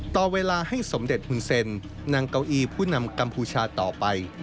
ต่อเวลาให้สมเด็จหุ่นเซ็นนางเก้าอี้ผู้นำกัมพูชาต่อไป